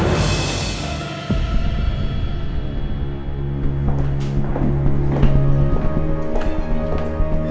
sampai jumpa lagi